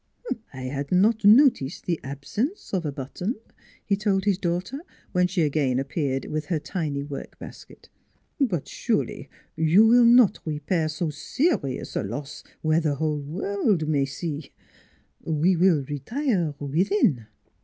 " I had not noticed the absence of a button," he told his daughter, when she again appeared, with her tiny work basket. " But surely you will 200 NEIGHBORS not repair so serious a loss where the whole world may see : we will retire within."